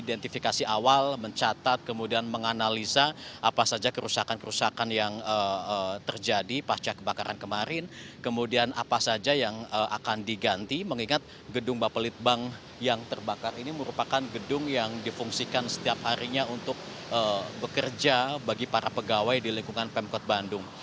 identifikasi awal mencatat kemudian menganalisa apa saja kerusakan kerusakan yang terjadi pasca kebakaran kemarin kemudian apa saja yang akan diganti mengingat gedung bapelitbang yang terbakar ini merupakan gedung yang difungsikan setiap harinya untuk bekerja bagi para pegawai di lingkungan pemkot bandung